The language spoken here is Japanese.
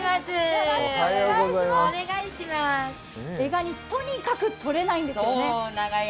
エガニ、とにかく取れないんですよね？